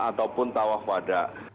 ataupun tawaf wadah